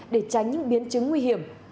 để tránh những biến chứng nguy hiểm